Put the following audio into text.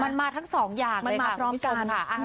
มันมาทั้งสองอย่างเลยค่ะมันมาพร้อมกันคุณผู้ชมค่ะอ่า